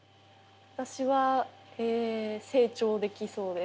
私は成長できそうです。